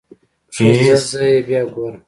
ښه ځه زه يې بيا ګورم.